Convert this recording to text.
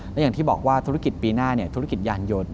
และอย่างที่บอกว่าธุรกิจปีหน้าธุรกิจยานยนต์